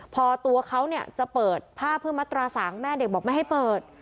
พอตัวเขาเนี่ยจะเปิดผ้าเพื่อมัตราสางแม่เด็กบอกไม่ให้เปิด